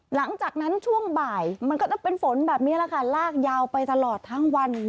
หลังจากนั้นช่วงบ่ายมันก็จะเป็นฝนแบบนี้แหละค่ะลากยาวไปตลอดทั้งวัน